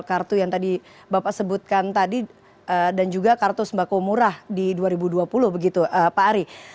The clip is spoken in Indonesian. kartu yang tadi bapak sebutkan tadi dan juga kartu sembako murah di dua ribu dua puluh begitu pak ari